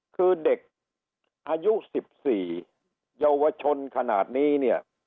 คือเด็กอายุ๑๔เยาวชนขนาดนี้เนี่ย